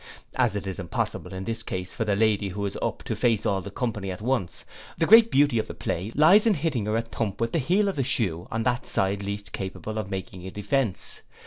As it is impossible, in this case, for the lady who is up to face all the company at once, the great beauty of the play lies in hitting her a thump with the heel of the shoe on that side least capable of making a defence.